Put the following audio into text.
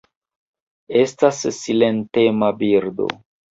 Estas silentema birdo.